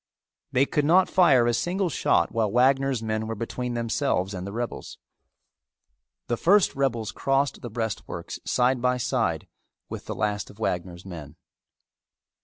They could not fire a single shot while Wagner's men were between themselves and the rebels. The first rebels crossed the breastworks side by side with the last of Wagner's men.